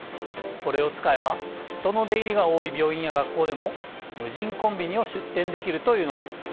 これを使えば人の出入りが多い病院や学校でも無人コンビニを出店できるというのです。